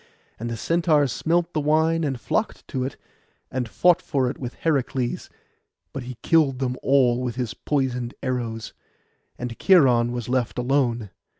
And the Centaurs smelt the wine, and flocked to it, and fought for it with Heracles; but he killed them all with his poisoned arrows, and Cheiron was left alone.